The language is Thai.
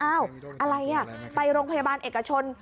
อ้าวอะไรน่ะไปโรงพยาบาลเอกชน